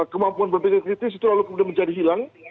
kemampuan berpikir kritis itu lalu kemudian menjadi hilang